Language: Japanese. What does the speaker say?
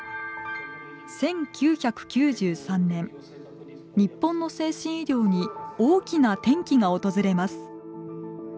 １９９３年日本の精神医療に大きな転機が訪れます。